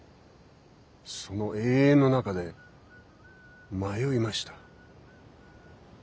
その永遠の中で迷いました。